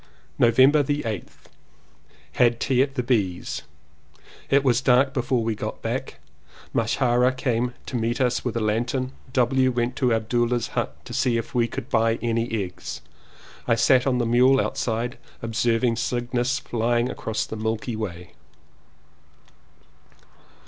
November 8th. Had tea at the B.'s. It was dark before we got back. Masharia came to meet us with a lantern. W. went to Abdulea's hut to see if he could buy any eggs. I sat on the mule outside observing Cygnus flying across the Milky Way.